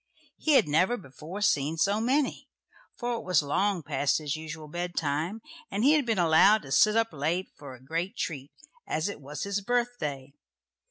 He had never before seen so many, for it was long past his usual bed time, and he had been allowed to sit up late for a great treat, as it was his birthday.